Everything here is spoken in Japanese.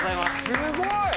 すごい。